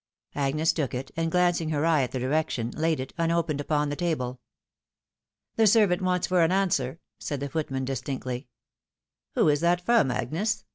Agnes took it, and glancing her eye at the direction, laid it, unopened, upon the table. " The servant waits for an answer," said the footman, distinctly. " Who is that from, Agnes